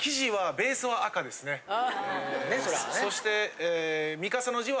そして。